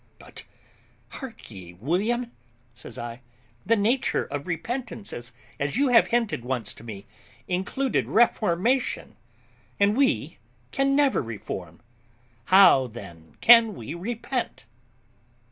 "But hark ye, William," says I, "the nature of repentance, as you have hinted once to me, included reformation; and we can never reform; how, then, can we repent?"